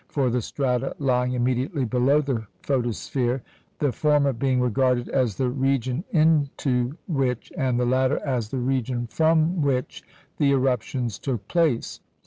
for the strata lying immediately below the photosphere, the former being regarded as the region into which, and the latter as the region from which the eruptions took place.